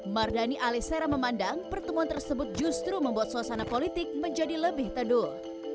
mardani alisera memandang pertemuan tersebut justru membuat suasana politik menjadi lebih teduh